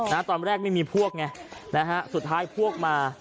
ตอนแรกไม่มีพวกไงนะฮะสุดท้ายพวกมา